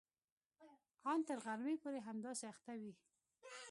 ان تر غرمې پورې همداسې اخته وي.